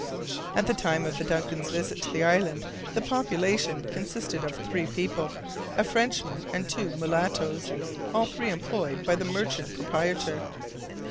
At the time of the DUNCAN'S visit to the island, the population consisted of three people, a Frenchman and two mulattoes, all three employed by the merchant proprietor.